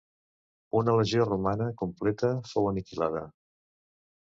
Una legió romana completa fou aniquilada.